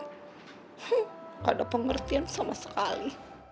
huu nggak ada pengertian sama sekali